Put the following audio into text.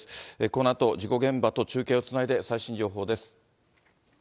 このあと、事故現場と中継をつないで最新情報です。